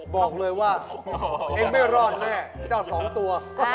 บอกเลยว่าเอ็งเบ้ยรอดแน่จะเอา๒ตัว